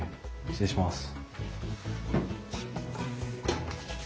失礼します。